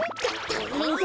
たいへんだ。